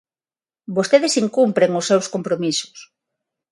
Vostedes incumpren os seus compromisos.